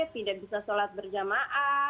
tidak bisa sholat berjamaah